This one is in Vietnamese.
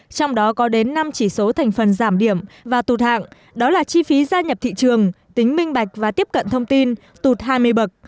trong đó có đến năm chỉ số thành phần giảm điểm và tụt hạng đó là chi phí gia nhập thị trường tính minh bạch và tiếp cận thông tin tụt hai mươi bậc ba